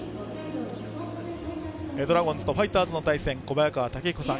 ドラゴンズとファイターズの対戦小早川毅彦さん